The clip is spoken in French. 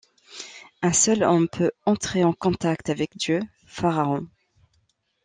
Un seul homme peut entrer en contact avec Dieu, pharaon.